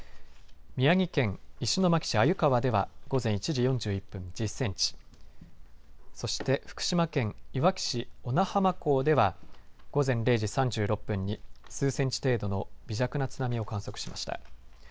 宮城県石巻市鮎川では午前１時４１分１０センチそして福島県いわき市小名浜港では午前０時３６分に数センチ程度の微弱な津波を観測しました。